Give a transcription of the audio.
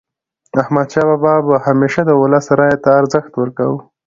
احمدشاه بابا به همیشه د ولس رایې ته ارزښت ورکاوه.